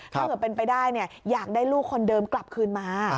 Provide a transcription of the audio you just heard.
ถ้าเกิดเป็นไปได้อยากได้ลูกคนเดิมกลับคืนมา